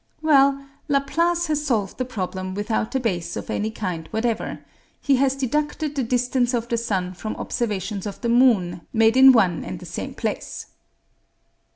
Well, Laplace has solved the problem without a base of any kind whatever; he has deduced the distance of the sun from observations of the moon made in one and the same place.